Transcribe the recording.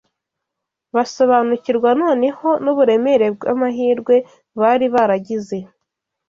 basobanukirwa noneho n’uburemere bw’amahirwe bari baragize